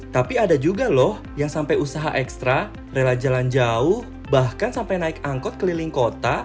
tapi ada juga loh yang sampai usaha ekstra rela jalan jauh bahkan sampai naik angkot keliling kota